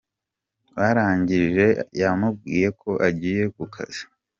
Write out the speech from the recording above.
Barangije yamubwiye ko agiye ku kazi.